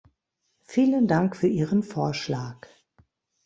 Vielen Dank für Ihren Vorschlag.